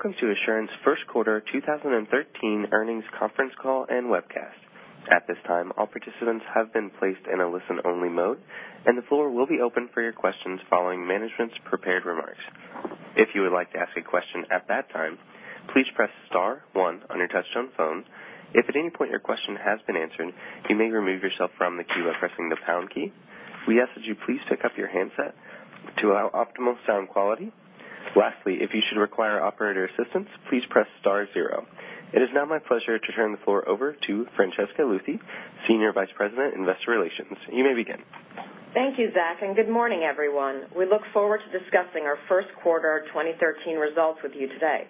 Welcome to Assurant's first quarter 2013 earnings conference call and webcast. At this time, all participants have been placed in a listen-only mode, and the floor will be open for your questions following management's prepared remarks. If you would like to ask a question at that time, please press star one on your touch-tone phone. If at any point your question has been answered, you may remove yourself from the queue by pressing the pound key. We ask that you please pick up your handset to allow optimal sound quality. Lastly, if you should require operator assistance, please press star zero. It is now my pleasure to turn the floor over to Francesca Luthi, Senior Vice President, Investor Relations. You may begin. Thank you, Zach, and good morning, everyone. We look forward to discussing our first quarter 2013 results with you today.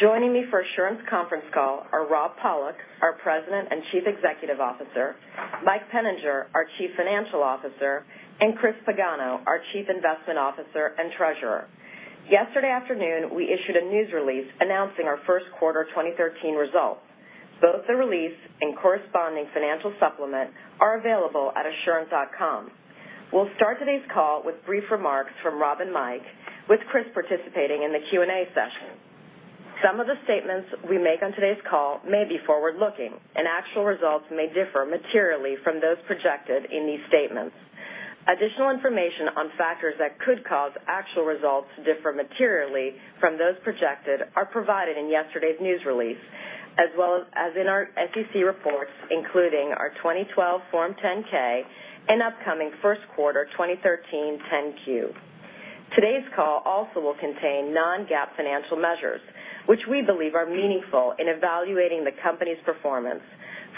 Joining me for Assurant's conference call are Rob Pollock, our President and Chief Executive Officer, Mike Peninger, our Chief Financial Officer, and Chris Pagano, our Chief Investment Officer and Treasurer. Yesterday afternoon, we issued a news release announcing our first quarter 2013 results. Both the release and corresponding financial supplement are available at assurant.com. We'll start today's call with brief remarks from Rob and Mike, with Chris participating in the Q&A session. Some of the statements we make on today's call may be forward-looking, and actual results may differ materially from those projected in these statements. Additional information on factors that could cause actual results to differ materially from those projected are provided in yesterday's news release, as well as in our SEC reports, including our 2012 Form 10-K and upcoming first quarter 2013 10-Q. Today's call also will contain non-GAAP financial measures, which we believe are meaningful in evaluating the company's performance.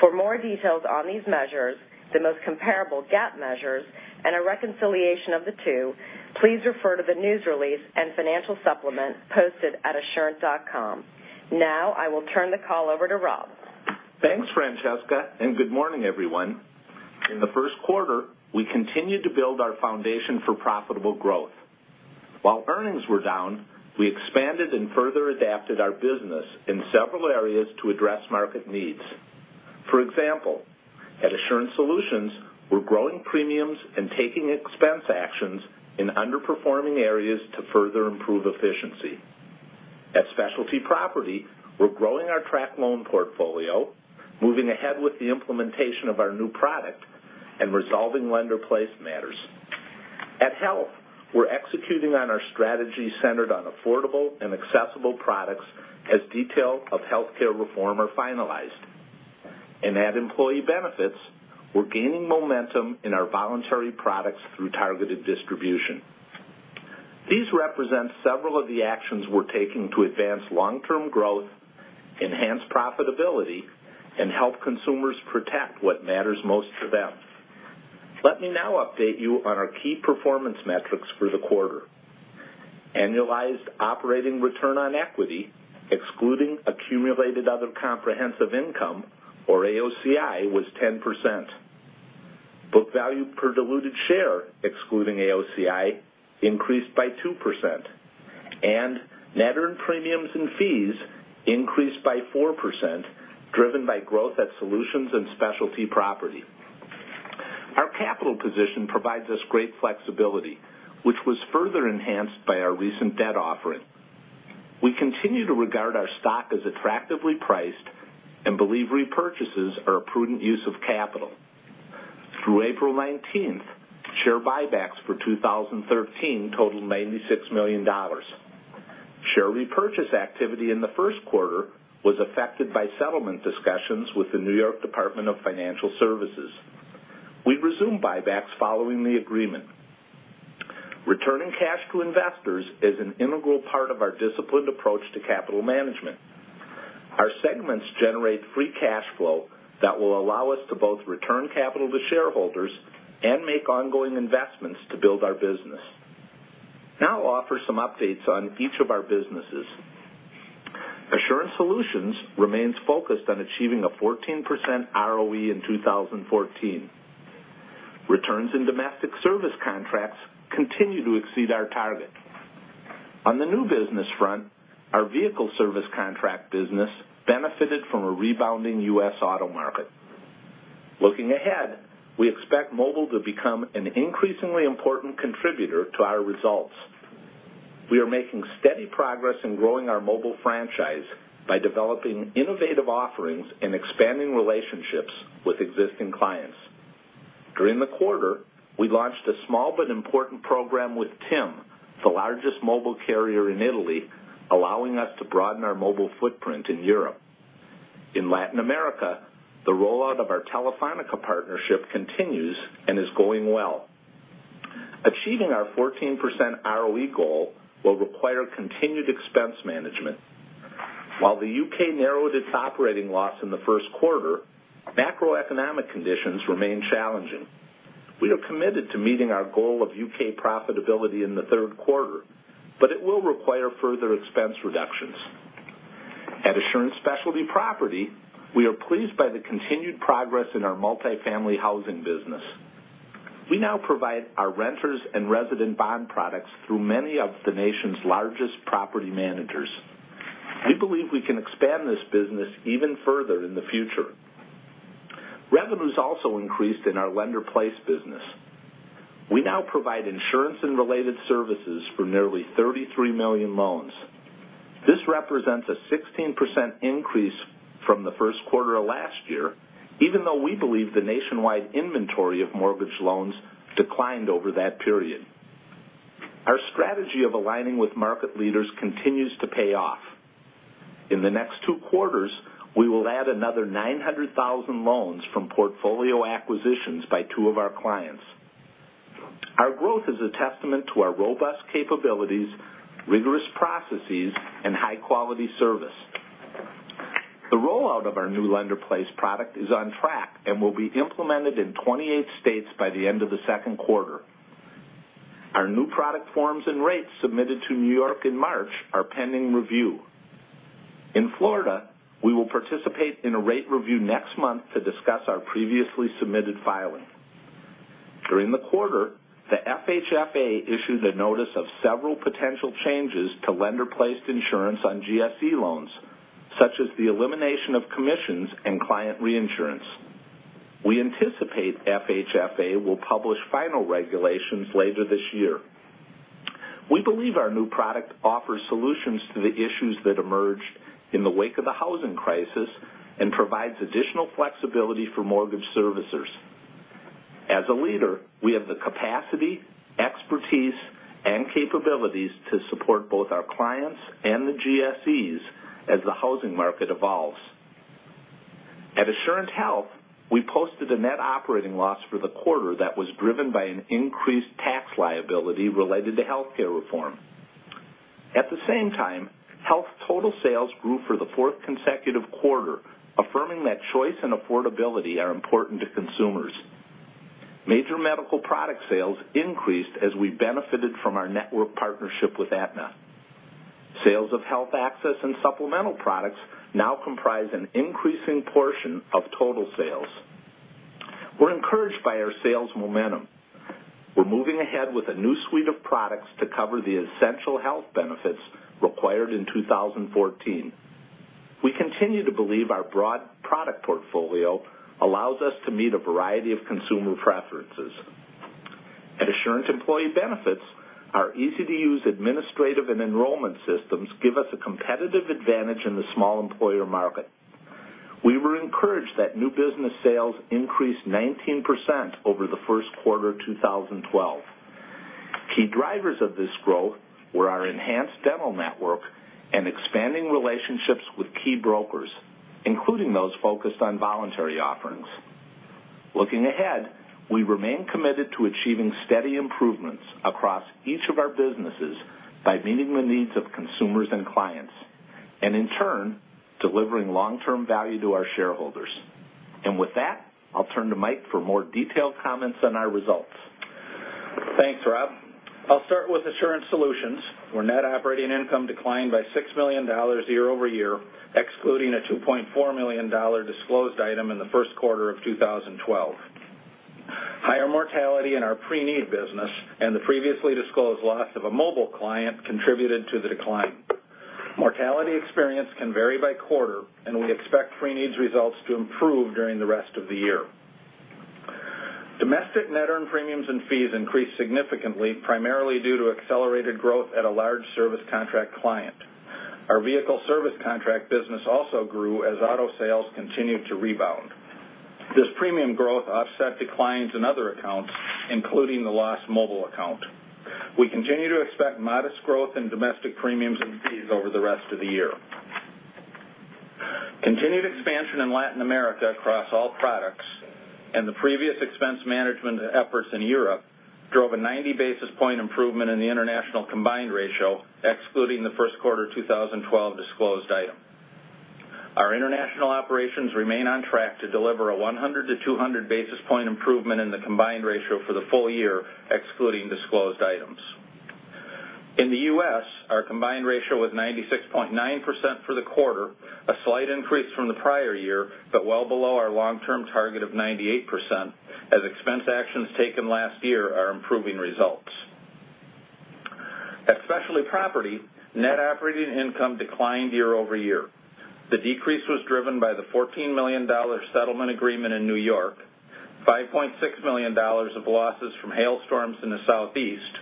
For more details on these measures, the most comparable GAAP measures, and a reconciliation of the two, please refer to the news release and financial supplement posted at assurant.com. Now, I will turn the call over to Rob. Thanks, Francesca, and good morning, everyone. In the first quarter, we continued to build our foundation for profitable growth. While earnings were down, we expanded and further adapted our business in several areas to address market needs. For example, at Assurant Solutions, we're growing premiums and taking expense actions in underperforming areas to further improve efficiency. At Specialty Property, we're growing our tracked loan portfolio, moving ahead with the implementation of our new product, and resolving lender-placed matters. At Health, we're executing on our strategy centered on affordable and accessible products as details of healthcare reform are finalized. At Employee Benefits, we're gaining momentum in our voluntary products through targeted distribution. These represent several of the actions we're taking to advance long-term growth, enhance profitability, and help consumers protect what matters most to them. Let me now update you on our key performance metrics for the quarter. Annualized operating return on equity, excluding accumulated other comprehensive income, or AOCI, was 10%. Book value per diluted share, excluding AOCI, increased by 2%, and net earned premiums and fees increased by 4%, driven by growth at Assurant Solutions and Assurant Specialty Property. Our capital position provides us great flexibility, which was further enhanced by our recent debt offering. We continue to regard our stock as attractively priced and believe repurchases are a prudent use of capital. Through April 19th, share buybacks for 2013 totaled $96 million. Share repurchase activity in the first quarter was affected by settlement discussions with the New York Department of Financial Services. We resumed buybacks following the agreement. Returning cash to investors is an integral part of our disciplined approach to capital management. Our segments generate free cash flow that will allow us to both return capital to shareholders and make ongoing investments to build our business. I'll offer some updates on each of our businesses. Assurant Solutions remains focused on achieving a 14% ROE in 2014. Returns in domestic service contracts continue to exceed our target. On the new business front, our vehicle service contract business benefited from a rebounding U.S. auto market. Looking ahead, we expect mobile to become an increasingly important contributor to our results. We are making steady progress in growing our mobile franchise by developing innovative offerings and expanding relationships with existing clients. During the quarter, we launched a small but important program with TIM, the largest mobile carrier in Italy, allowing us to broaden our mobile footprint in Europe. In Latin America, the rollout of our Telefónica partnership continues and is going well. Achieving our 14% ROE goal will require continued expense management. While the U.K. narrowed its operating loss in the first quarter, macroeconomic conditions remain challenging. We are committed to meeting our goal of U.K. profitability in the third quarter, but it will require further expense reductions. At Assurant Specialty Property, we are pleased by the continued progress in our multifamily housing business. We now provide our renters and resident bond products through many of the nation's largest property managers. We believe we can expand this business even further in the future. Revenues also increased in our lender-placed business. We now provide insurance and related services for nearly 33 million loans. This represents a 16% increase from the first quarter of last year, even though we believe the nationwide inventory of mortgage loans declined over that period. Our strategy of aligning with market leaders continues to pay off. In the next two quarters, we will add another 900,000 loans from portfolio acquisitions by two of our clients. Our growth is a testament to our robust capabilities, rigorous processes, and high-quality service. The rollout of our new lender-placed product is on track and will be implemented in 28 states by the end of the second quarter. Our new product forms and rates submitted to New York in March are pending review. In Florida, we will participate in a rate review next month to discuss our previously submitted filing. During the quarter, the FHFA issued a notice of several potential changes to lender-placed insurance on GSE loans, such as the elimination of commissions and client reinsurance. We anticipate FHFA will publish final regulations later this year. We believe our new product offers solutions to the issues that emerged in the wake of the housing crisis and provides additional flexibility for mortgage servicers. As a leader, we have the capacity, expertise, and capabilities to support both our clients and the GSEs as the housing market evolves. At Assurant Health, we posted a net operating loss for the quarter that was driven by an increased tax liability related to healthcare reform. At the same time, health total sales grew for the fourth consecutive quarter, affirming that choice and affordability are important to consumers. Major medical product sales increased as we benefited from our network partnership with Aetna. Sales of Health Access and supplemental products now comprise an increasing portion of total sales. We're encouraged by our sales momentum. We're moving ahead with a new suite of products to cover the essential health benefits required in 2014. We continue to believe our broad product portfolio allows us to meet a variety of consumer preferences. At Assurant Employee Benefits, our easy-to-use administrative and enrollment systems give us a competitive advantage in the small employer market. We were encouraged that new business sales increased 19% over the first quarter of 2012. Key drivers of this growth were our enhanced dental network and expanding relationships with key brokers, including those focused on voluntary offerings. Looking ahead, we remain committed to achieving steady improvements across each of our businesses by meeting the needs of consumers and clients, and in turn, delivering long-term value to our shareholders. With that, I'll turn to Mike for more detailed comments on our results. Thanks, Rob. I'll start with Assurant Solutions, where net operating income declined by $6 million year-over-year, excluding a $2.4 million disclosed item in the first quarter of 2012. Higher mortality in our pre-need business and the previously disclosed loss of a mobile client contributed to the decline. Mortality experience can vary by quarter, and we expect pre-need's results to improve during the rest of the year. Domestic net earned premiums and fees increased significantly, primarily due to accelerated growth at a large service contract client. Our vehicle service contract business also grew as auto sales continued to rebound. This premium growth offset declines in other accounts, including the lost mobile account. We continue to expect modest growth in domestic premiums and fees over the rest of the year. Continued expansion in Latin America across all products and the previous expense management efforts in Europe drove a 90 basis point improvement in the international combined ratio, excluding the first quarter 2012 disclosed item. Our international operations remain on track to deliver a 100-200 basis point improvement in the combined ratio for the full year, excluding disclosed items. In the U.S., our combined ratio was 96.9% for the quarter, a slight increase from the prior year, but well below our long-term target of 98%, as expense actions taken last year are improving results. At Specialty Property, net operating income declined year-over-year. The decrease was driven by the $14 million settlement agreement in New York, $5.6 million of losses from hailstorms in the Southeast,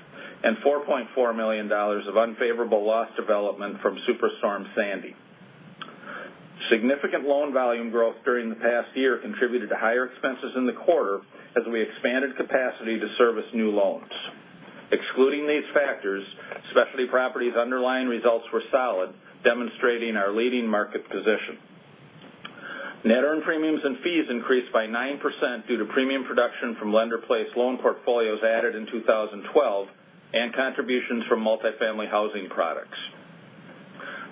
and $4.4 million of unfavorable loss development from Superstorm Sandy. Significant loan volume growth during the past year contributed to higher expenses in the quarter as we expanded capacity to service new loans. Excluding these factors, Specialty Property's underlying results were solid, demonstrating our leading market position. Net earned premiums and fees increased by 9% due to premium production from lender-placed loan portfolios added in 2012 and contributions from multifamily housing products.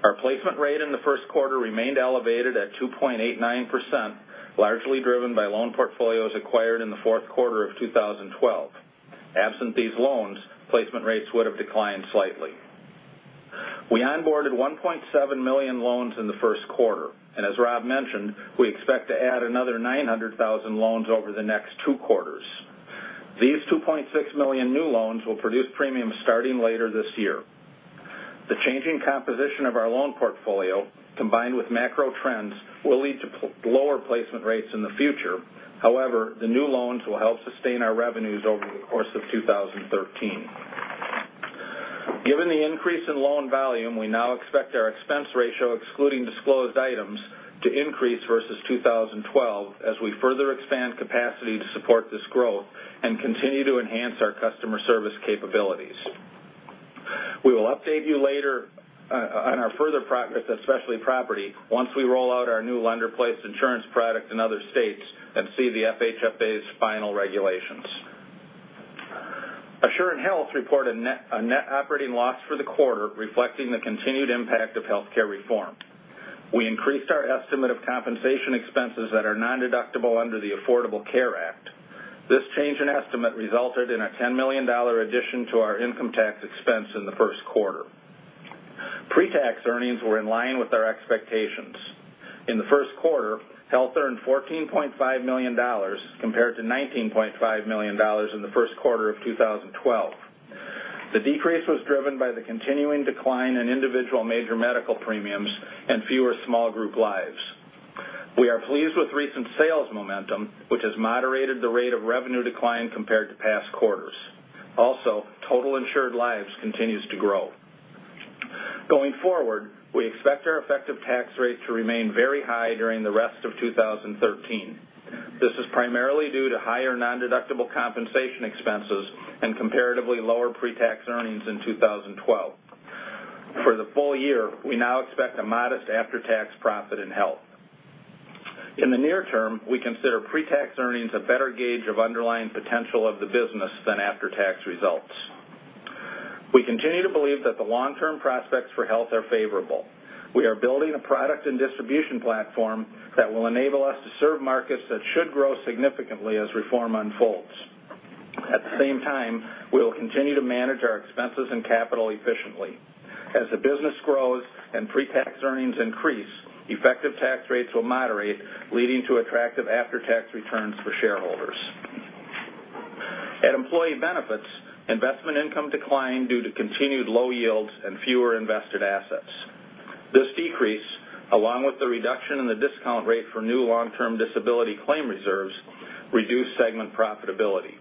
Our placement rate in the first quarter remained elevated at 2.89%, largely driven by loan portfolios acquired in the fourth quarter of 2012. Absent these loans, placement rates would have declined slightly. We onboarded 1.7 million loans in the first quarter, and as Rob mentioned, we expect to add another 900,000 loans over the next two quarters. These 2.6 million new loans will produce premiums starting later this year. The changing composition of our loan portfolio, combined with macro trends, will lead to lower placement rates in the future. However, the new loans will help sustain our revenues over the course of 2013. Given the increase in loan volume, we now expect our expense ratio, excluding disclosed items, to increase versus 2012 as we further expand capacity to support this growth and continue to enhance our customer service capabilities. We will update you later on our further progress, Specialty Property, once we roll out our new lender-placed insurance product in other states and see the FHFA's final regulations. Assurant Health reported a net operating loss for the quarter, reflecting the continued impact of healthcare reform. We increased our estimate of compensation expenses that are nondeductible under the Affordable Care Act. This change in estimate resulted in a $10 million addition to our income tax expense in the first quarter. Pre-tax earnings were in line with our expectations. In the first quarter, Health earned $14.5 million compared to $19.5 million in the first quarter of 2012. The decrease was driven by the continuing decline in individual major medical premiums and fewer small group lives. We are pleased with recent sales momentum, which has moderated the rate of revenue decline compared to past quarters. Also, total insured lives continues to grow. Going forward, we expect our effective tax rate to remain very high during the rest of 2013. This is primarily due to higher nondeductible compensation expenses and comparatively lower pre-tax earnings in 2012. For the full year, we now expect a modest after-tax profit in Health. In the near term, we consider pre-tax earnings a better gauge of underlying potential of the business than after-tax results. We continue to believe that the long-term prospects for Health are favorable. We are building a product and distribution platform that will enable us to serve markets that should grow significantly as reform unfolds. At the same time, we will continue to manage our expenses and capital efficiently. As the business grows and pre-tax earnings increase, effective tax rates will moderate, leading to attractive after-tax returns for shareholders. At Employee Benefits, investment income declined due to continued low yields and fewer invested assets. This decrease, along with the reduction in the discount rate for new long-term disability claim reserves, reduced segment profitability.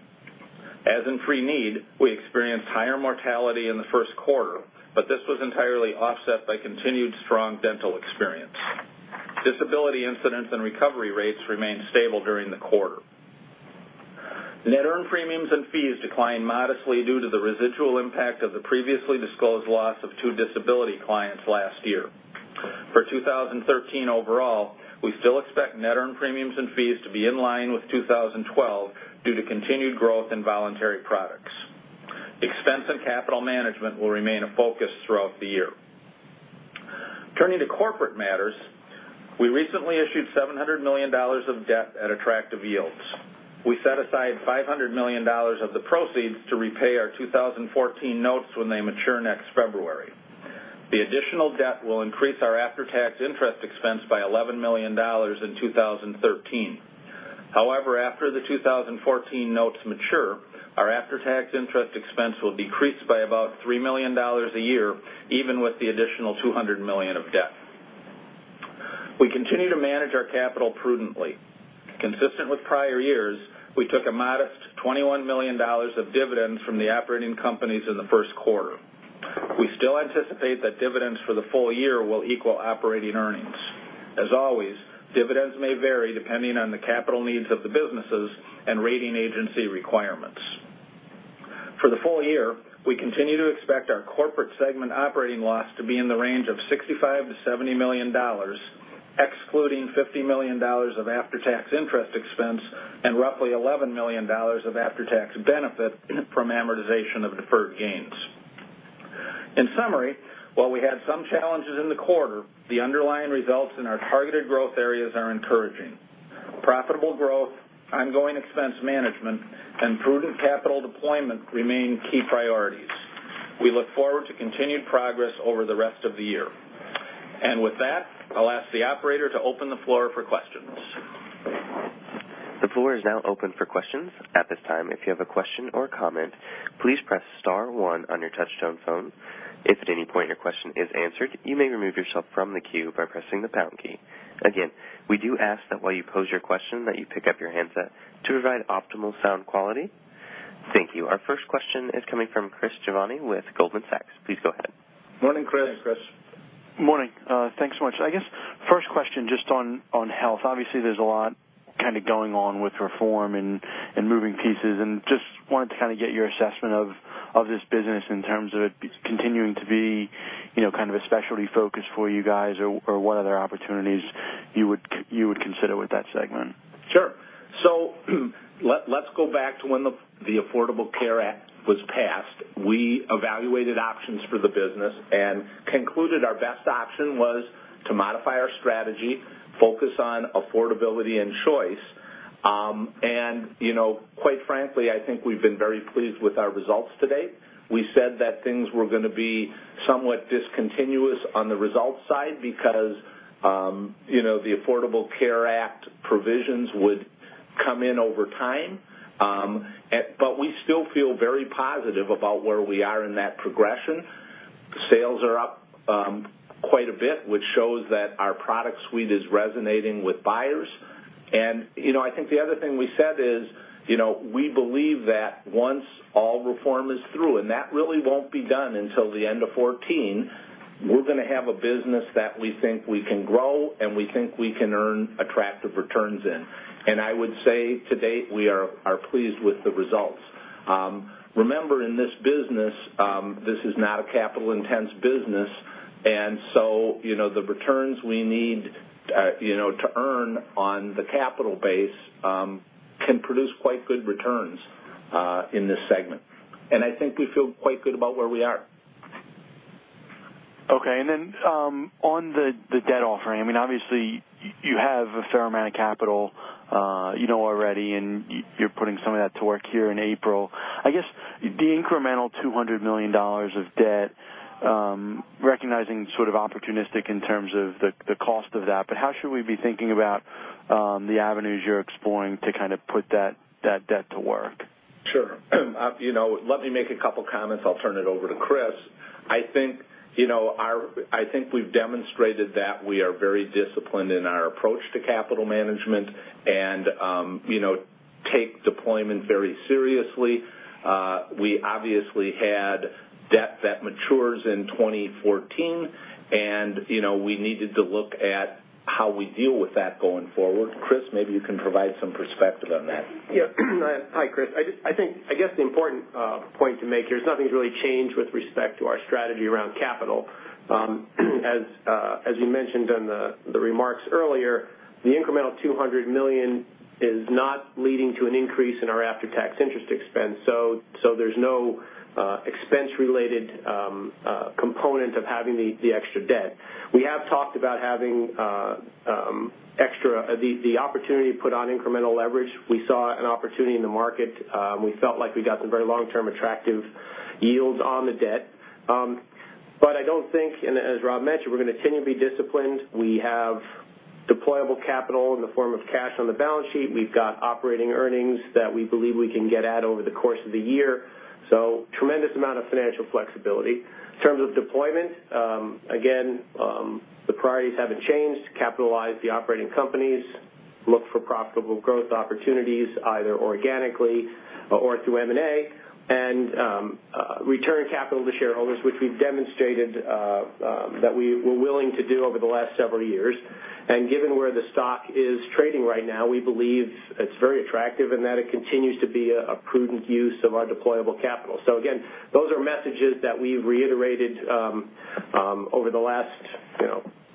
As in pre-need, we experienced higher mortality in the first quarter, but this was entirely offset by continued strong dental experience. Disability incidents and recovery rates remained stable during the quarter. Net earned premiums and fees declined modestly due to the residual impact of the previously disclosed loss of two disability clients last year. For 2013 overall, we still expect net earned premiums and fees to be in line with 2012 due to continued growth in voluntary products. Expense and capital management will remain a focus throughout the year. Turning to corporate matters, we recently issued $700 million of debt at attractive yields. We set aside $500 million of the proceeds to repay our 2014 notes when they mature next February. The additional debt will increase our after-tax interest expense by $11 million in 2013. However, after the 2014 notes mature, our after-tax interest expense will decrease by about $3 million a year, even with the additional $200 million of debt. We continue to manage our capital prudently. Consistent with prior years, we took a modest $21 million of dividends from the operating companies in the first quarter. We still anticipate that dividends for the full year will equal operating earnings. As always, dividends may vary depending on the capital needs of the businesses and rating agency requirements. For the full year, we continue to expect our corporate segment operating loss to be in the range of $65 million-$70 million, excluding $50 million of after-tax interest expense and roughly $11 million of after-tax benefit from amortization of deferred gains. In summary, while we had some challenges in the quarter, the underlying results in our targeted growth areas are encouraging. Profitable growth, ongoing expense management, and prudent capital deployment remain key priorities. We look forward to continued progress over the rest of the year. With that, I'll ask the operator to open the floor for questions. The floor is now open for questions. At this time, if you have a question or comment, please press star one on your touchtone phone. If at any point your question is answered, you may remove yourself from the queue by pressing the pound key. Again, we do ask that while you pose your question, that you pick up your handset to provide optimal sound quality. Thank you. Our first question is coming from Chris Giovanni with Goldman Sachs. Please go ahead. Morning, Chris. Morning, Chris. Morning. Thanks so much. I guess first question just on Health. There's a lot kind of going on with Reform and moving pieces, and just wanted to kind of get your assessment of this business in terms of it continuing to be kind of a specialty focus for you guys, or what other opportunities you would consider with that segment? Sure. Let's go back to when the Affordable Care Act was passed. We evaluated options for the business and concluded our best option was to modify our strategy, focus on affordability and choice. Quite frankly, I think we've been very pleased with our results to date. We said that things were going to be somewhat discontinuous on the results side because the Affordable Care Act provisions would come in over time. We still feel very positive about where we are in that progression. Sales are up quite a bit, which shows that our product suite is resonating with buyers. I think the other thing we said is, we believe that once all Reform is through, and that really won't be done until the end of 2014, we're going to have a business that we think we can grow, and we think we can earn attractive returns in. I would say to date, we are pleased with the results. Remember, in this business, this is not a capital-intense business, and so the returns we need to earn on the capital base, can produce quite good returns in this segment. I think we feel quite good about where we are. Okay. On the debt offering, obviously you have a fair amount of capital already, and you're putting some of that to work here in April. I guess the incremental $200 million of debt, recognizing sort of opportunistic in terms of the cost of that, but how should we be thinking about the avenues you're exploring to kind of put that debt to work? Sure. Let me make a couple of comments. I'll turn it over to Chris Pagano. I think we've demonstrated that we are very disciplined in our approach to capital management and take deployment very seriously. We obviously had debt that matures in 2014, and we needed to look at how we deal with that going forward. Chris Pagano, maybe you can provide some perspective on that. Yeah. Hi, Chris. I guess the important point to make here is nothing's really changed with respect to our strategy around capital. As you mentioned on the remarks earlier, the incremental $200 million is not leading to an increase in our after-tax interest expense, so there's no expense-related component of having the extra debt. We have talked about having the opportunity to put on incremental leverage. We saw an opportunity in the market. We felt like we got some very long-term attractive yields on the debt. I don't think, and as Rob mentioned, we're going to continue to be disciplined. We have deployable capital in the form of cash on the balance sheet. We've got operating earnings that we believe we can get at over the course of the year. Tremendous amount of financial flexibility. In terms of deployment, again, the priorities haven't changed. Capitalize the operating companies, look for profitable growth opportunities, either organically or through M&A, and return capital to shareholders, which we've demonstrated that we were willing to do over the last several years. Given where the stock is trading right now, we believe it's very attractive and that it continues to be a prudent use of our deployable capital. Again, those are messages that we've reiterated over the last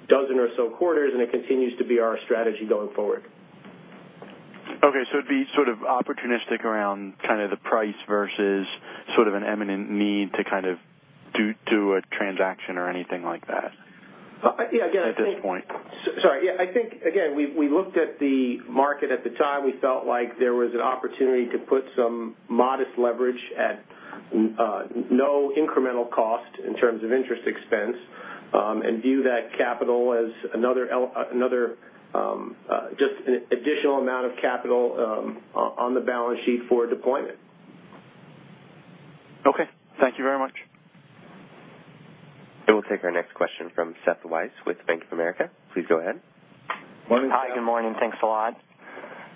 dozen or so quarters, and it continues to be our strategy going forward. Okay, it'd be sort of opportunistic around the price versus sort of an imminent need to do a transaction or anything like that at this point? Sorry. Yeah, I think, again, we looked at the market at the time. We felt like there was an opportunity to put some modest leverage at no incremental cost in terms of interest expense, and view that capital as just an additional amount of capital on the balance sheet for deployment. Okay. Thank you very much. We'll take our next question from Seth Weiss with Bank of America. Please go ahead. Morning, Seth. Hi, good morning. Thanks a lot.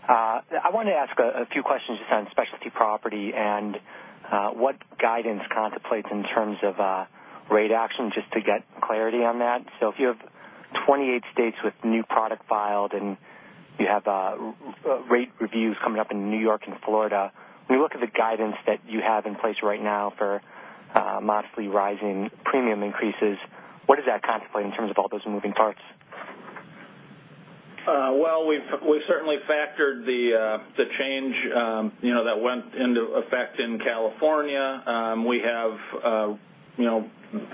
I wanted to ask a few questions just on Specialty Property and what guidance contemplates in terms of rate action, just to get clarity on that. If you have 28 states with new product filed and you have rate reviews coming up in New York and Florida, when you look at the guidance that you have in place right now for modestly rising premium increases, what does that contemplate in terms of all those moving parts? We've certainly factored the change that went into effect in California. We have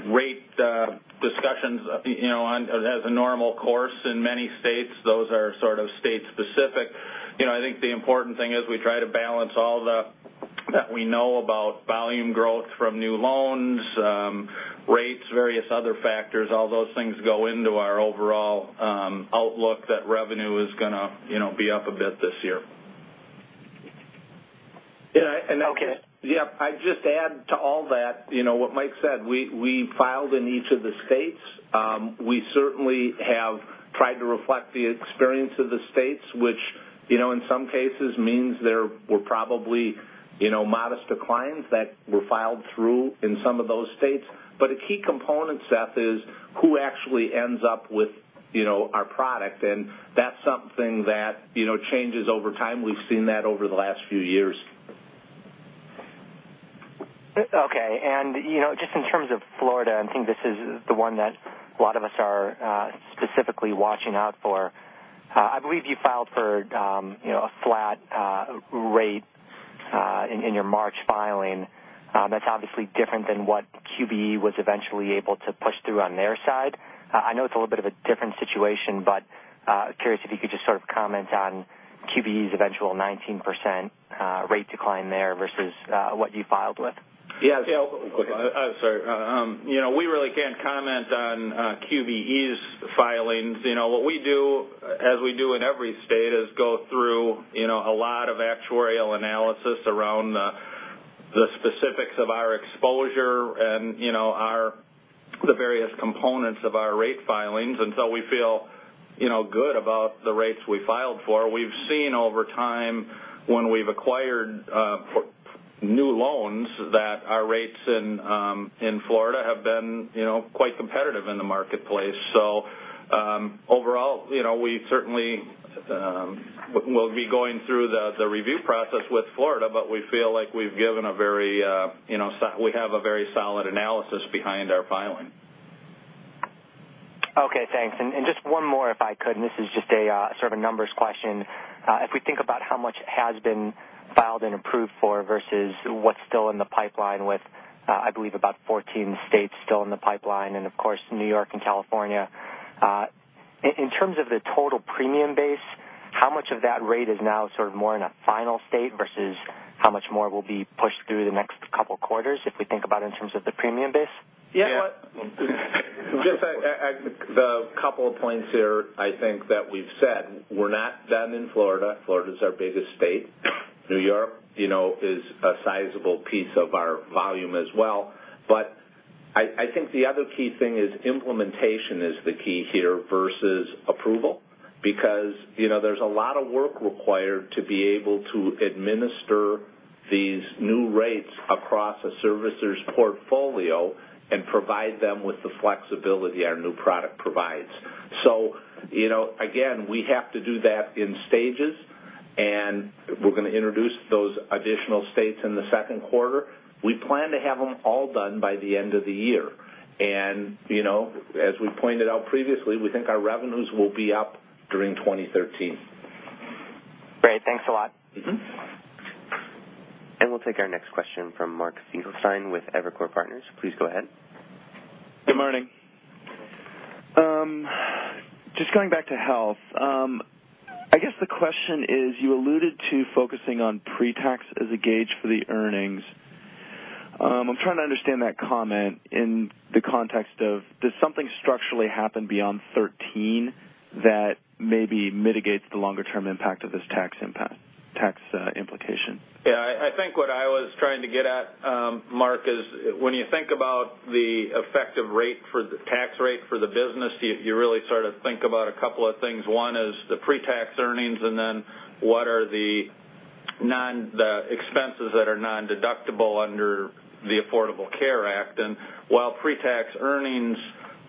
rate discussions as a normal course in many states. Those are sort of state specific. I think the important thing is we try to balance all that we know about volume growth from new loans, rates, various other factors. All those things go into our overall outlook that revenue is going to be up a bit this year. Okay. I'd just add to all that, what Mike said, we filed in each of the states. We certainly have tried to reflect the experience of the states, which in some cases means there were probably modest declines that were filed through in some of those states. A key component, Seth, is who actually ends up with our product, and that's something that changes over time. We've seen that over the last few years. Just in terms of Florida, I think this is the one that a lot of us are specifically watching out for. I believe you filed for a flat rate in your March filing. That's obviously different than what QBE was eventually able to push through on their side. I know it's a little bit of a different situation, but curious if you could just sort of comment on QBE's eventual 19% rate decline there versus what you filed with? Yeah. Yeah. Go ahead. I'm sorry. We really can't comment on QBE's filings. What we do, as we do in every state, is go through a lot of actuarial analysis around the specifics of our exposure and the various components of our rate filings until we feel good about the rates we filed for. We've seen over time when we've acquired new loans that our rates in Florida have been quite competitive in the marketplace. Overall, we certainly will be going through the review process with Florida, but we feel like we have a very solid analysis behind our filing. Okay, thanks. Just one more, if I could, and this is just sort of a numbers question. If we think about how much has been filed and approved for versus what's still in the pipeline with, I believe about 14 states still in the pipeline, and of course, New York and California. In terms of the total premium base, how much of that rate is now sort of more in a final state versus how much more will be pushed through the next couple quarters if we think about it in terms of the premium base? Yeah. Yeah. Just a couple of points here I think that we've said. We're not done in Florida. Florida's our biggest state. New York is a sizable piece of our volume as well. I think the other key thing is implementation is the key here versus approval. There's a lot of work required to be able to administer these new rates across a servicer's portfolio and provide them with the flexibility our new product provides. Again, we have to do that in stages, and we're going to introduce those additional states in the second quarter. We plan to have them all done by the end of the year. As we pointed out previously, we think our revenues will be up during 2013. Great. Thanks a lot. We'll take our next question from Mark Finkelstein with Evercore Partners. Please go ahead. Good morning. Just going back to Health. I guess the question is, you alluded to focusing on pre-tax as a gauge for the earnings. I'm trying to understand that comment in the context of, does something structurally happen beyond 2013 that maybe mitigates the longer-term impact of this tax implication? I think what I was trying to get at, Mark, is when you think about the effective tax rate for the business, you really sort of think about a couple of things. One is the pre-tax earnings, and then what are the expenses that are non-deductible under the Affordable Care Act. While pre-tax earnings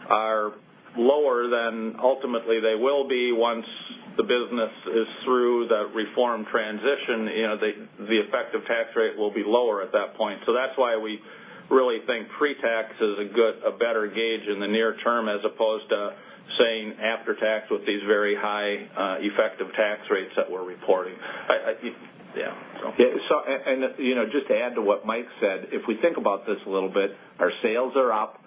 are lower than ultimately they will be once the business is through the reform transition, the effective tax rate will be lower at that point. That's why we really think pre-tax is a better gauge in the near term, as opposed to saying after tax with these very high effective tax rates that we're reporting. Yeah. Just to add to what Mike said, if we think about this a little bit, our sales are up,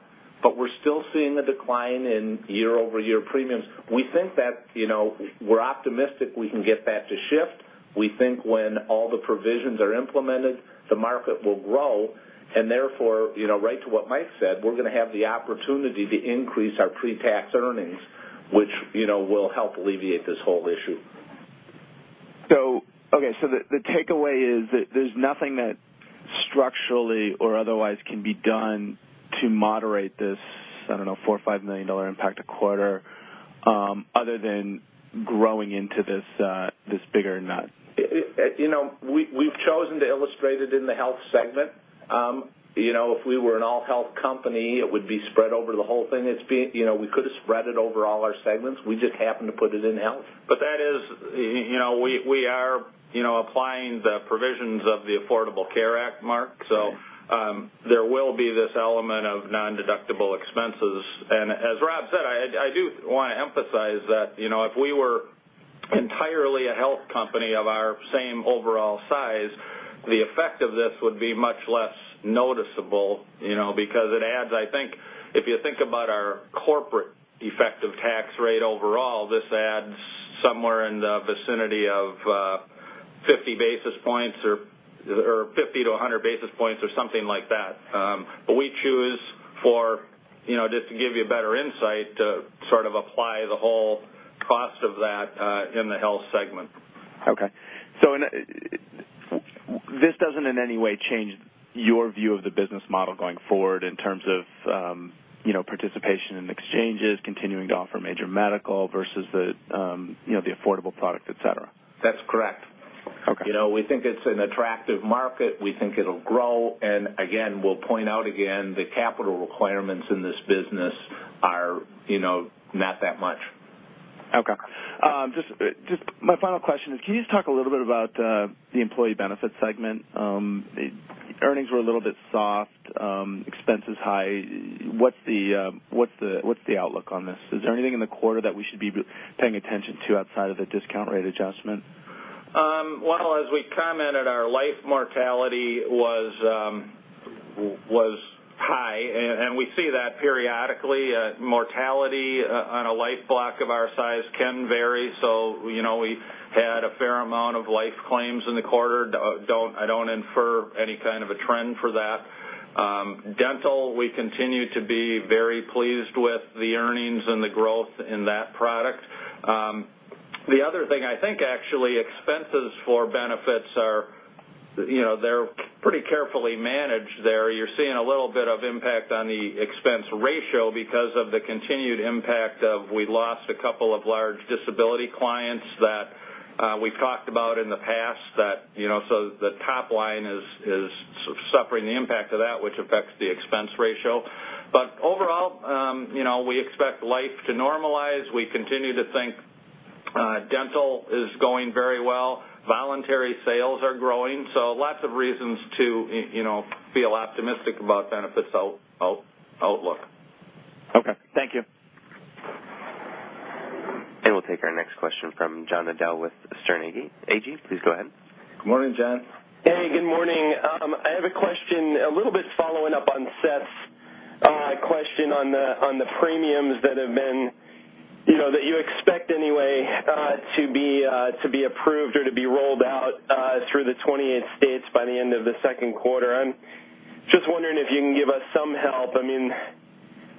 but we're still seeing a decline in year-over-year premiums. We're optimistic we can get that to shift. We think when all the provisions are implemented, the market will grow, and therefore, right to what Mike said, we're going to have the opportunity to increase our pre-tax earnings, which will help alleviate this whole issue. Okay, the takeaway is that there's nothing that structurally or otherwise can be done to moderate this, I don't know, $4 million or $5 million impact a quarter other than growing into this bigger nut. We've chosen to illustrate it in the Health segment. If we were an all-health company, it would be spread over the whole thing. We could have spread it over all our segments. We just happened to put it in Health. We are applying the provisions of the Affordable Care Act, Mark, there will be this element of non-deductible expenses. As Rob said, I do want to emphasize that if we were entirely a health company of our same overall size, the effect of this would be much less noticeable because it adds, I think, if you think about our corporate effective tax rate overall, this adds somewhere in the vicinity of 50 basis points or 50-100 basis points or something like that. We choose for, just to give you a better insight, to sort of apply the whole cost of that in the Health segment. Okay. This doesn't in any way change your view of the business model going forward in terms of participation in exchanges, continuing to offer major medical versus the affordable product, et cetera? That's correct. Okay. We think it's an attractive market. We think it'll grow, again, we'll point out again, the capital requirements in this business are not that much. Okay. My final question is, can you just talk a little bit about the Employee Benefits segment? Earnings were a little bit soft, expenses high. What's the outlook on this? Is there anything in the quarter that we should be paying attention to outside of the discount rate adjustment? Well, as we commented, our life mortality was was high, we see that periodically. Mortality on a life block of our size can vary. We had a fair amount of life claims in the quarter. I don't infer any kind of a trend for that. Dental, we continue to be very pleased with the earnings and the growth in that product. The other thing, I think actually expenses for benefits are pretty carefully managed there. You're seeing a little bit of impact on the expense ratio because of the continued impact of, we lost a couple of large disability clients that we've talked about in the past. The top line is suffering the impact of that, which affects the expense ratio. Overall, we expect life to normalize. We continue to think dental is going very well. Voluntary sales are growing. Lots of reasons to feel optimistic about benefits outlook. Okay. Thank you. We'll take our next question from John Nadel with Sterne, Agee. Agee, please go ahead. Good morning, John. Hey, good morning. I have a question, a little bit following up on Seth's question on the premiums that you expect anyway, to be approved or to be rolled out, through the 28 states by the end of the second quarter. I'm just wondering if you can give us some help.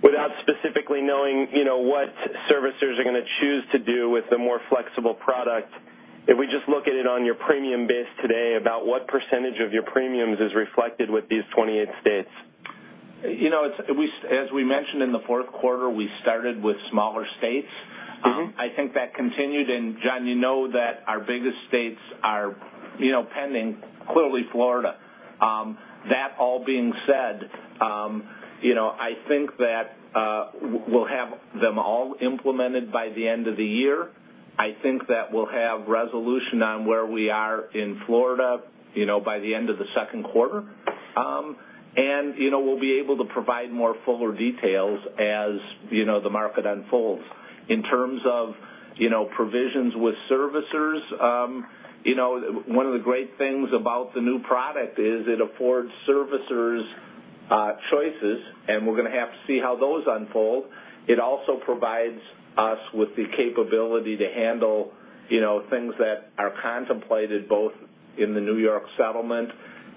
Without specifically knowing what servicers are going to choose to do with the more flexible product, if we just look at it on your premium base today, about what percentage of your premiums is reflected with these 28 states? As we mentioned in the fourth quarter, we started with smaller states. I think that continued, John, you know that our biggest states are pending, clearly Florida. That all being said, I think that we'll have them all implemented by the end of the year. I think that we'll have resolution on where we are in Florida, by the end of the second quarter. We'll be able to provide more fuller details as the market unfolds. In terms of provisions with servicers, one of the great things about the new product is it affords servicers choices, and we're going to have to see how those unfold. It also provides us with the capability to handle things that are contemplated both in the New York settlement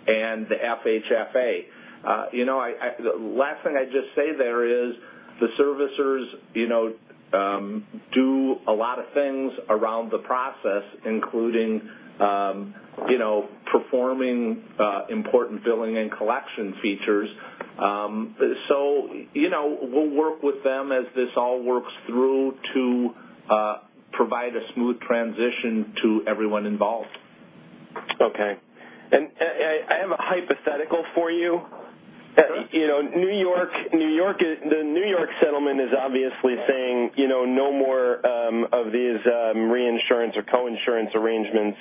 and the FHFA. Last thing I'd just say there is, the servicers do a lot of things around the process, including performing important billing and collection features. We'll work with them as this all works through to provide a smooth transition to everyone involved. Okay. I have a hypothetical for you. Sure. The New York settlement is obviously saying, no more of these reinsurance or co-insurance arrangements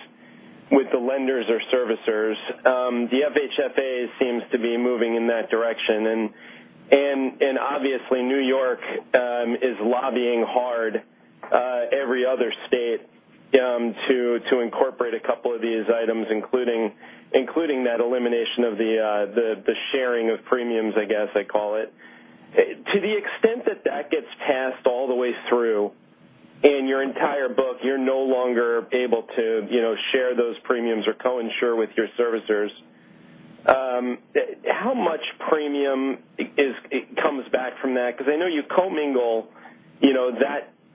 with the lenders or servicers. The FHFA seems to be moving in that direction, and obviously New York is lobbying hard every other state to incorporate a couple of these items, including that elimination of the sharing of premiums, I guess I call it. To the extent that that gets passed all the way through in your entire book, you're no longer able to share those premiums or co-insure with your servicers. How much premium comes back from that? Because I know you co-mingle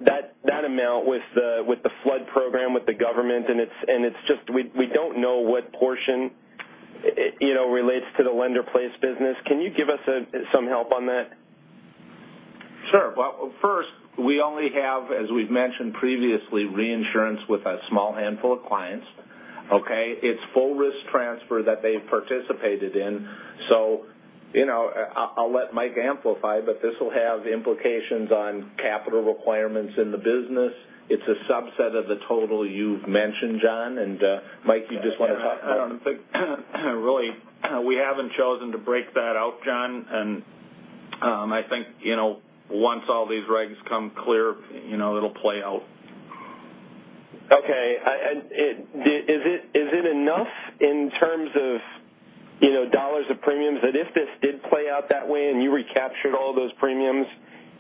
that amount with the flood program, with the government, and it's just we don't know what portion relates to the lender-placed business. Can you give us some help on that? Sure. Well, first, we only have, as we've mentioned previously, reinsurance with a small handful of clients. Okay? It's full risk transfer that they've participated in. I'll let Mike amplify, but this will have implications on capital requirements in the business. It's a subset of the total you've mentioned, John. Mike, you just want to talk about it? Really, we haven't chosen to break that out, John. I think, once all these regs come clear, it'll play out. Okay. Is it enough in terms of dollars of premiums that if this did play out that way and you recaptured all those premiums,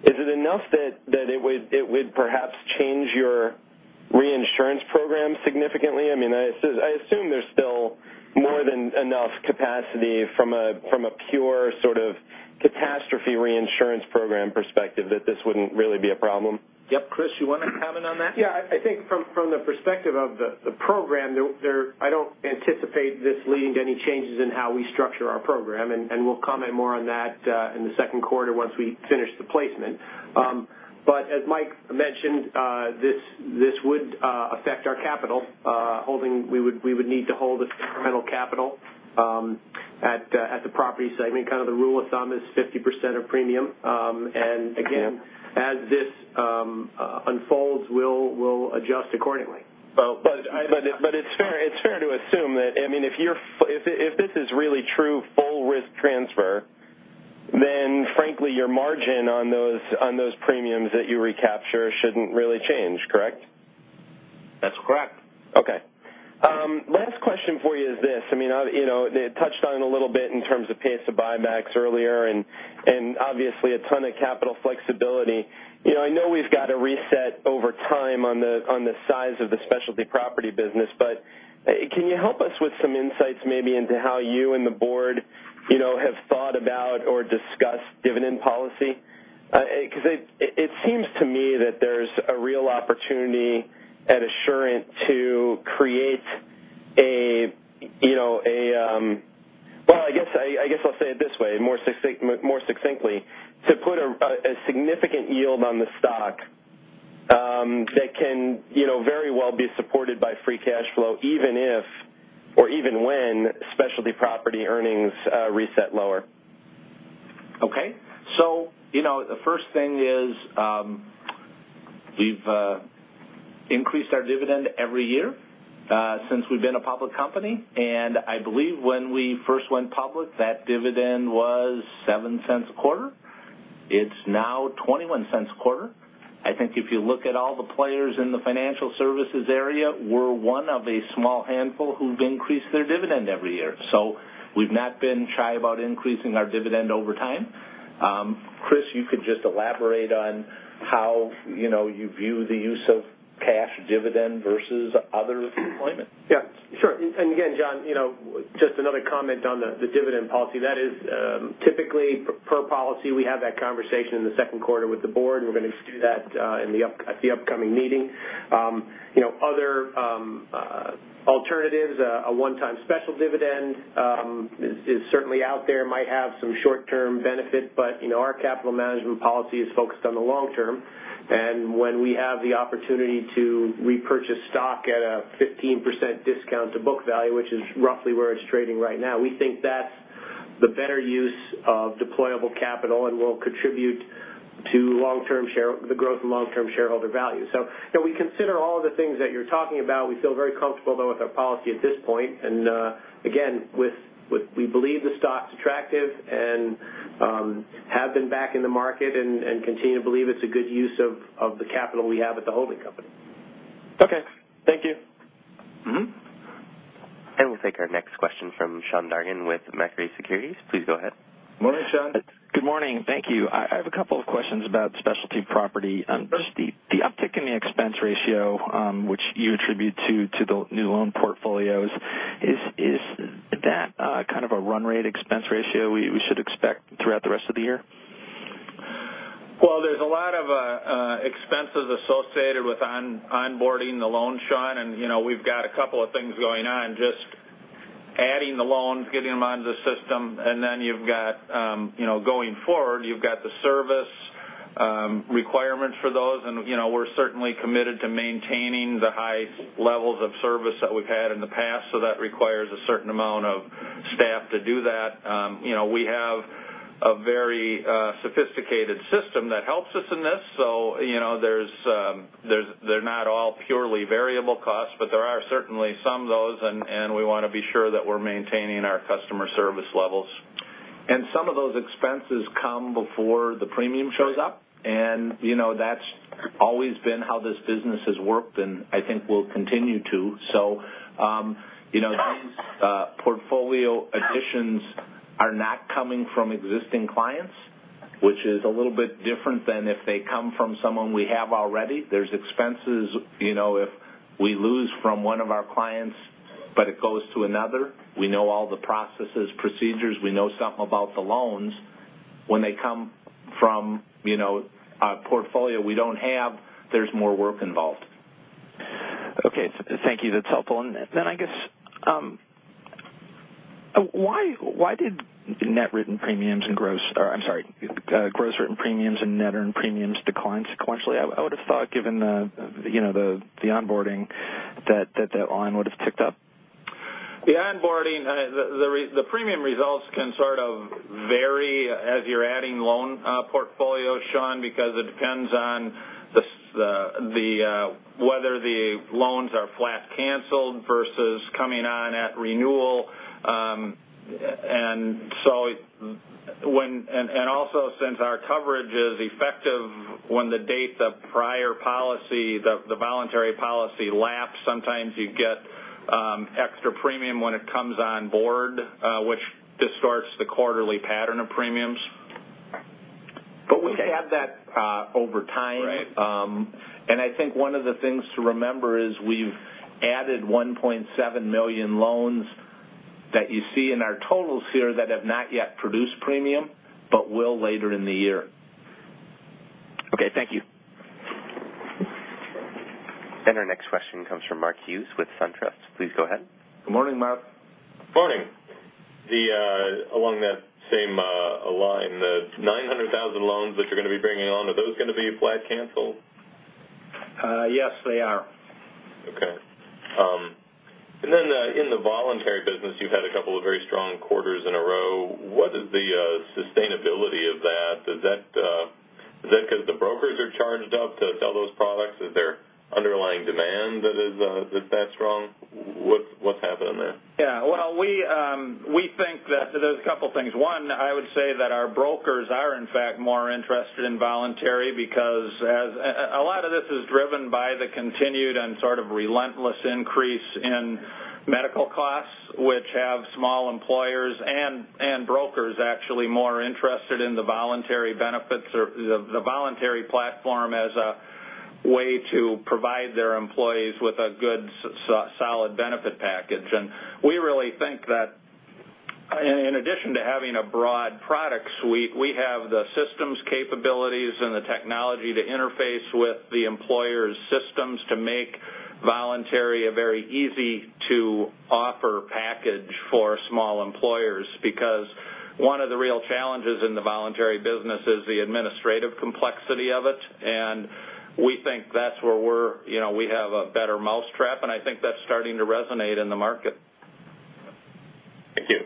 is it enough that it would perhaps change your reinsurance program significantly? I assume there's still more than enough capacity from a pure sort of catastrophe reinsurance program perspective that this wouldn't really be a problem. Yep. Chris, you want to comment on that? Yeah, I think from the perspective of the program, I don't anticipate this leading to any changes in how we structure our program, and we'll comment more on that in the second quarter once we finish the placement. As Mike mentioned, this would affect our capital. We would need to hold a incremental capital at the property segment. Kind of the rule of thumb is 50% of premium. Again, as this unfolds, we'll adjust accordingly. It's fair to assume that if this is really true full risk transfer, then frankly, your margin on those premiums that you recapture shouldn't really change, correct? Last question for you is this. It touched on a little bit in terms of pace of buybacks earlier and obviously a ton of capital flexibility. I know we've got to reset over time on the size of the Specialty Property business, but can you help us with some insights maybe into how you and the board have thought about or discussed dividend policy? Because it seems to me that there's a real opportunity at Assurant to create Well, I guess I'll say it this way, more succinctly, to put a significant yield on the stock that can very well be supported by free cash flow, even if or even when Specialty Property earnings reset lower. Okay. The first thing is we've increased our dividend every year since we've been a public company. I believe when we first went public, that dividend was $0.07 a quarter. It's now $0.21 a quarter. I think if you look at all the players in the financial services area, we're one of a small handful who've increased their dividend every year. We've not been shy about increasing our dividend over time. Chris, you could just elaborate on how you view the use of cash dividend versus other deployment. Yeah, sure. Again, John, just another comment on the dividend policy. That is typically per policy, we have that conversation in the second quarter with the board, and we're going to do that at the upcoming meeting. Other alternatives, a one-time special dividend is certainly out there, might have some short-term benefit, but our capital management policy is focused on the long term. When we have the opportunity to repurchase stock at a 15% discount to book value, which is roughly where it's trading right now, we think that's the better use of deployable capital and will contribute to the growth in long-term shareholder value. We consider all of the things that you're talking about. We feel very comfortable, though, with our policy at this point. Again, we believe the stock's attractive and have been back in the market and continue to believe it's a good use of the capital we have at the holding company. Okay. Thank you. We'll take our next question from Sean Dargan with Macquarie Securities. Please go ahead. Morning, Sean. Good morning. Thank you. I have a couple of questions about Specialty Property. Sure. The uptick in the expense ratio, which you attribute to the new loan portfolios, is that kind of a run rate expense ratio we should expect throughout the rest of the year? There's a lot of expenses associated with onboarding the loan, Sean, and we've got a couple of things going on, just adding the loans, getting them onto the system, and then going forward, you've got the service requirements for those, and we're certainly committed to maintaining the high levels of service that we've had in the past, so that requires a certain amount of staff to do that. We have a very sophisticated system that helps us in this, so they're not all purely variable costs, but there are certainly some of those, and we want to be sure that we're maintaining our customer service levels. Some of those expenses come before the premium shows up, and that's always been how this business has worked, and I think will continue to. These portfolio additions are not coming from existing clients, which is a little bit different than if they come from someone we have already. There's expenses if we lose from one of our clients, but it goes to another. We know all the processes, procedures. We know something about the loans. When they come from a portfolio we don't have, there's more work involved. Okay. Thank you. That's helpful. Then I guess, why did gross written premiums and net earned premiums decline sequentially? I would have thought, given the onboarding, that that line would have ticked up. The onboarding, the premium results can sort of vary as you're adding loan portfolios, Sean, because it depends on whether the loans are flat canceled versus coming on at renewal. Also, since our coverage is effective when the date the prior policy, the voluntary policy, lapsed, sometimes you get extra premium when it comes on board, which distorts the quarterly pattern of premiums. We've had that over time. Right. I think one of the things to remember is we've added 1.7 million loans that you see in our totals here that have not yet produced premium, but will later in the year. Okay. Thank you. Our next question comes from Mark Hughes with SunTrust. Please go ahead. Good morning, Mark. Morning. Along that same line, the 900,000 loans that you're going to be bringing on, are those going to be flat canceled? Yes, they are. Okay. Then in the voluntary business, you've had a couple of very strong quarters in a row. What is the sustainability of that? Is that because the brokers are charged up to sell those products? Is there underlying demand that that's strong? What's happening there? We think that there's a couple things. One, I would say that our brokers are in fact more interested in voluntary because as a lot of this is driven by the continued and sort of relentless increase in medical costs, which have small employers and brokers actually more interested in the voluntary benefits or the voluntary platform as a way to provide their employees with a good, solid benefit package. We really think that in addition to having a broad product suite, we have the systems capabilities and the technology to interface with the employer's systems to make voluntary a very easy-to-offer package for small employers. One of the real challenges in the voluntary business is the administrative complexity of it, and we think that's where we have a better mousetrap, and I think that's starting to resonate in the market. Thank you.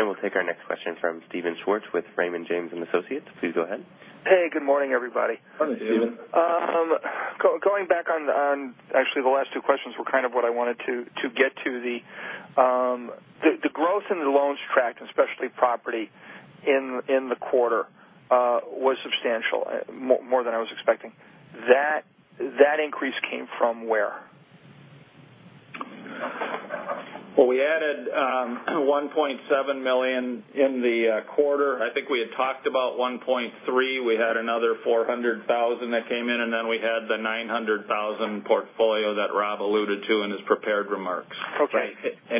We'll take our next question from Steven Schwartz with Raymond James & Associates. Please go ahead. Hey, good morning, everybody. Morning, Steven. Going back on, actually, the last two questions were kind of what I wanted to get to. The growth in the loans tracked, and Assurant Specialty Property in the quarter, was substantial, more than I was expecting. That increase came from where? Well, we added 1.7 million in the quarter. I think we had talked about 1.3. We had another 400,000 that came in, and then we had the 900,000 portfolio that Rob alluded to in his prepared remarks. Okay.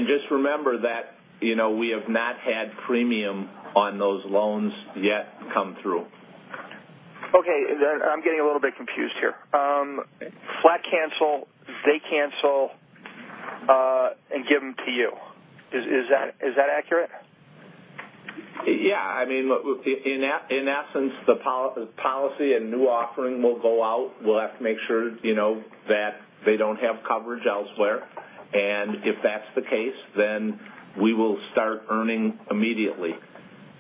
Just remember that we have not had premium on those loans yet come through. Okay. I'm getting a little bit confused here. Flat cancel, they cancel and give them to you. Is that accurate? Yeah. In essence, the policy and new offering will go out. We'll have to make sure that they don't have coverage elsewhere. If that's the case, then we will start earning immediately.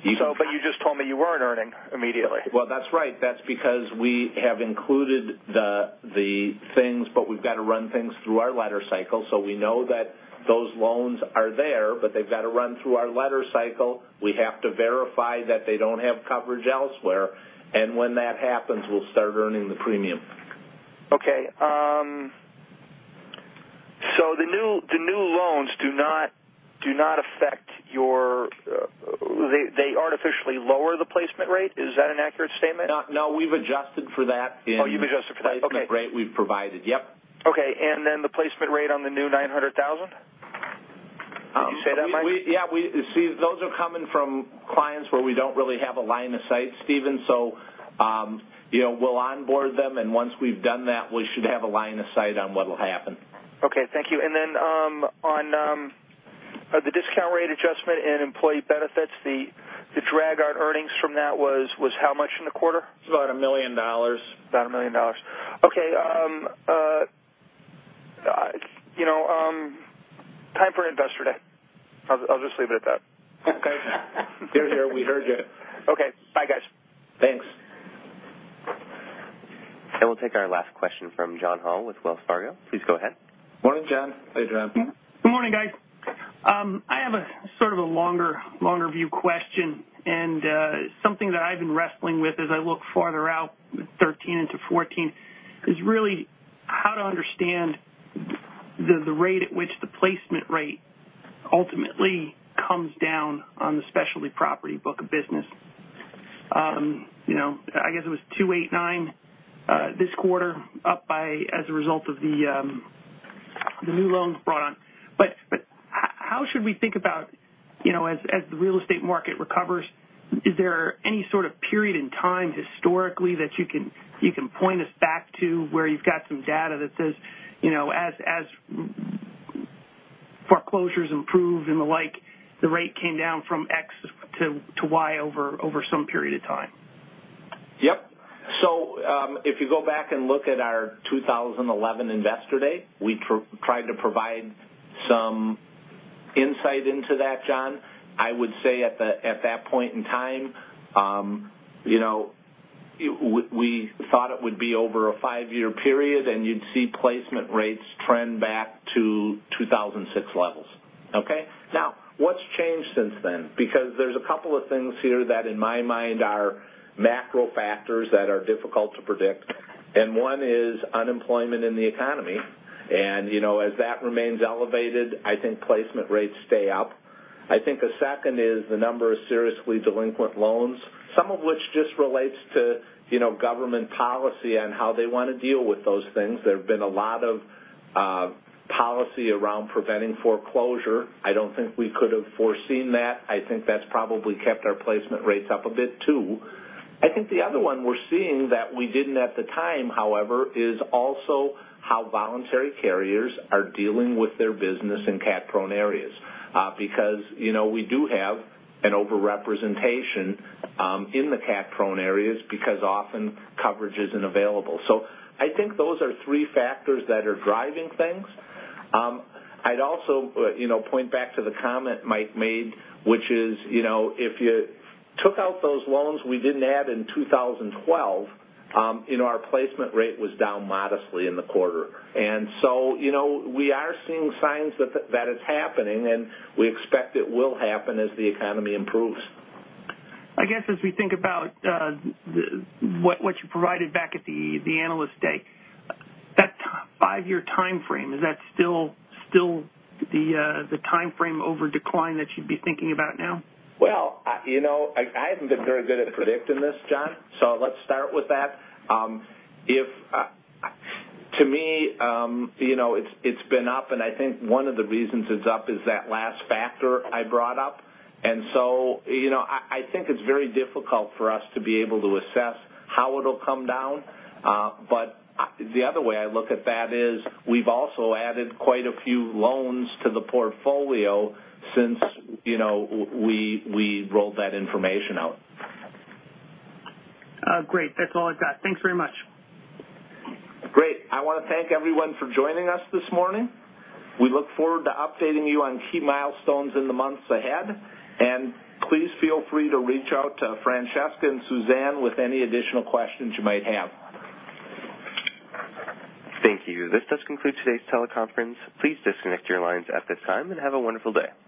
You just told me you weren't earning immediately. That's right. That's because we have included the things. We've got to run things through our letter cycle. We know that those loans are there. They've got to run through our letter cycle. We have to verify that they don't have coverage elsewhere. When that happens, we'll start earning the premium. Okay. The new loans do not affect. They artificially lower the placement rate. Is that an accurate statement? No, we've adjusted for that. Oh, you've adjusted for that. Okay. placement rate we've provided. Yep. Okay. Then the placement rate on the new 900,000? Did you say that, Mike? Yeah. Those are coming from clients where we don't really have a line of sight, Steven, so we'll onboard them, and once we've done that, we should have a line of sight on what'll happen. Okay, thank you. Then on the discount rate adjustment and Employee Benefits, the drag out earnings from that was how much in the quarter? It's about a million dollars. About a million dollars. Okay. Time for Investor Day. I'll just leave it at that. Hear, hear. We heard you. Okay. Bye, guys. Thanks. We'll take our last question from John Hall with Wells Fargo. Please go ahead. Morning, John. Hey, John. Good morning, guys. I have a sort of a longer view question, and something that I've been wrestling with as I look farther out, 2013 into 2014, is really how to understand the rate at which the placement rate ultimately comes down on the Specialty Property book of business. I guess it was two eight nine this quarter, up as a result of the new loans brought on. How should we think about as the real estate market recovers, is there any sort of period in time historically that you can point us back to where you've got some data that says, as foreclosures improve and the like, the rate came down from X to Y over some period of time? Yep. If you go back and look at our 2011 Investor Day, we tried to provide some insight into that, John. I would say at that point in time, we thought it would be over a five-year period, and you'd see placement rates trend back to 2006 levels. Okay? What's changed since then? There's a couple of things here that in my mind are macro factors that are difficult to predict, and one is unemployment in the economy. As that remains elevated, I think placement rates stay up. I think a second is the number of seriously delinquent loans, some of which just relates to government policy and how they want to deal with those things. There have been a lot of policy around preventing foreclosure. I don't think we could have foreseen that. I think that's probably kept our placement rates up a bit, too. I think the other one we're seeing that we didn't at the time, however, is also how voluntary carriers are dealing with their business in cat-prone areas. Because we do have an over-representation in the cat-prone areas because often coverage isn't available. I think those are three factors that are driving things. I'd also point back to the comment Mike made, which is, if you took out those loans we didn't add in 2012, our placement rate was down modestly in the quarter. We are seeing signs that that is happening, and we expect it will happen as the economy improves. I guess as we think about what you provided back at the Analyst Day, that five-year timeframe, is that still the timeframe over decline that you'd be thinking about now? Well, I haven't been very good at predicting this, John, let's start with that. To me, it's been up, and I think one of the reasons it's up is that last factor I brought up. I think it's very difficult for us to be able to assess how it'll come down. The other way I look at that is we've also added quite a few loans to the portfolio since we rolled that information out. Great. That's all I've got. Thanks very much. Great. I want to thank everyone for joining us this morning. We look forward to updating you on key milestones in the months ahead. Please feel free to reach out to Francesca and Suzanne with any additional questions you might have. Thank you. This does conclude today's teleconference. Please disconnect your lines at this time and have a wonderful day.